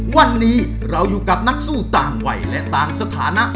วันนี้เราอยู่กับนักสู้ต่างวัยและต่างสถานะ